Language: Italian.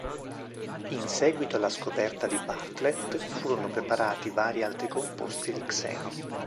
In seguito alla scoperta di Bartlett furono preparati vari altri composti di xeno.